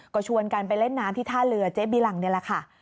ก็ชวนกันไปเล่นน้ำที่ท่าเรือเจ๊บีรังนี่แหละค่ะ